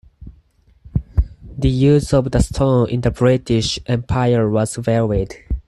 The use of the stone in the British Empire was varied.